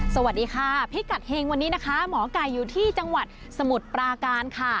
สวัสดีค่ะพิกัดเฮงวันนี้นะคะหมอไก่อยู่ที่จังหวัดสมุทรปราการค่ะ